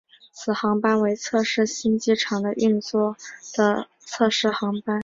此航班为测试新机场的运作的测试航班。